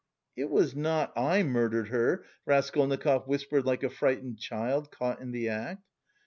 "It was not I murdered her," Raskolnikov whispered like a frightened child caught in the act.